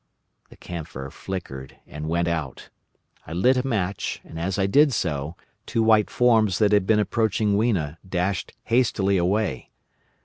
"The camphor flickered and went out. I lit a match, and as I did so, two white forms that had been approaching Weena dashed hastily away.